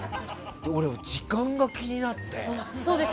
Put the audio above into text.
俺は時間が気になって。